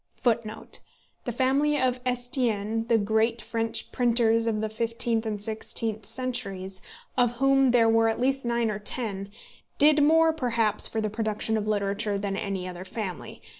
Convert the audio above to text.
[Footnote 2: The family of Estienne, the great French printers of the fifteenth and sixteenth centuries, of whom there were at least nine or ten, did more perhaps for the production of literature than any other family.